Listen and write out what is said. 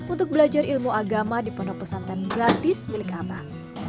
untuk belajar ilmu agama di pondok pesantren gratis milik abah